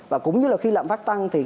và cũng như là khi lạm phát tăng thì